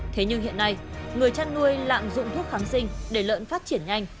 thế nhưng hiện nay người chăn nuôi lạm dụng thuốc kháng sinh để lợn phát triển nhanh